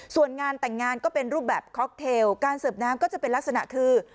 ส่วนงานแต่งงานก็เป็นรูปแบบค็อกเทลการเสิร์ฟน้ำก็จะเป็นลักษณะคือ